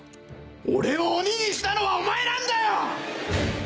俺を鬼にしたのはお前なんだよ‼